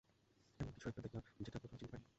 এমন কিছু একটা দেখলাম যেটা প্রথমে চিনতে পারিনি!